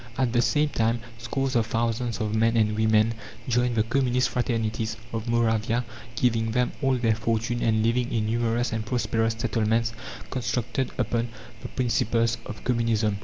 At the same time scores of thousands of men and women joined the communist fraternities of Moravia, giving them all their fortune and living in numerous and prosperous settlements constructed upon the principles of communism.